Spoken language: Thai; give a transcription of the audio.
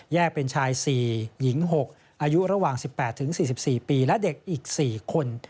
เป็นชาย๔หญิง๖อายุระหว่าง๑๘๔๔ปีและเด็กอีก๔คน